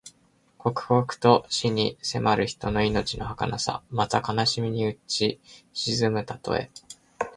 刻々と死に迫る人の命のはかなさ。また、悲しみにうち沈むたとえ。